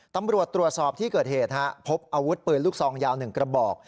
ตำรวจตรวจสอบที่เกิดเหตุพบอาวุธปืนลูกซองยาว๑กระบอก